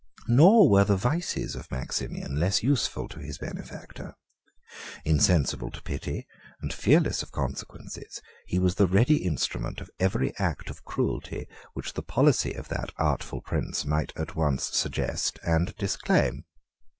Nor were the vices of Maximian less useful to his benefactor. Insensible to pity, and fearless of consequences, he was the ready instrument of every act of cruelty which the policy of that artful prince might at once suggest and disclaim.